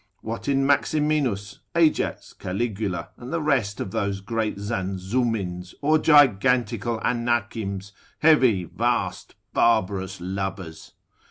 What in Maximinus, Ajax, Caligula, and the rest of those great Zanzummins, or gigantical Anakims, heavy, vast, barbarous lubbers?